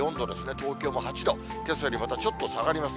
東京も８度、けさよりまたちょっと下がります。